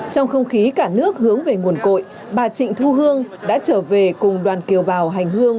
trong không khí cả nước hướng về nguồn cội bà trịnh thu hương đã trở về cùng đoàn kiều bào hành hương